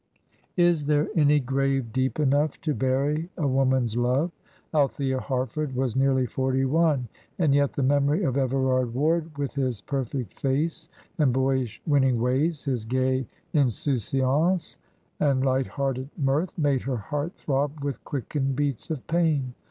Is there any grave deep enough to bury a woman's love? Althea Harford was nearly forty one, and yet the memory of Everard Ward, with his perfect face, and boyish, winning ways, his gay insouciance, and light hearted mirth, made her heart throb with quickened beats of pain.